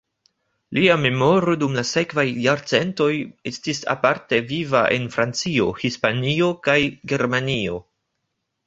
Lia memoro dum la sekvaj jarcentoj estis aparte viva en Francio, Hispanio kaj Germanio.